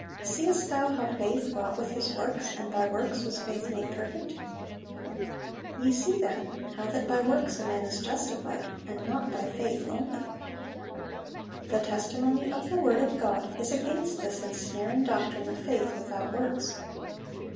Seest thou how faith wrought with his works, and by works was faith made perfect?... Ye see then how that by works a man is justified, and not by faith only."(809) The testimony of the word of God is against this ensnaring doctrine of faith without works.